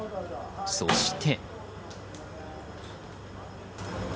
そして。